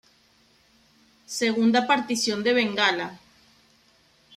Segunda partición de Bengala